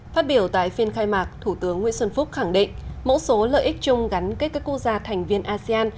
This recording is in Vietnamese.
phát biểu tại phiên khai mạc thủ tướng nguyễn xuân phúc khẳng định mẫu số lợi ích chung gắn kết các quốc gia thành viên asean